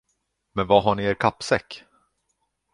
Men var har ni er kappsäck?